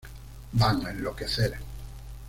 Van a enloquecer!".